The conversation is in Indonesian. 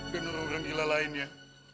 dan orang orang ilah lainnya